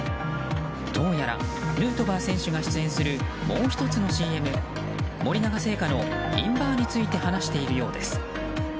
どうやらヌートバー選手が出演するもう１つのＣＭ森永製菓のｉｎバーについて話しているようです。